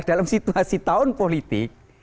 dalam situasi tahun politik